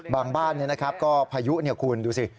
บางบ้านเนี่ยนะครับก็พายุเนี่ยคุณดูสิ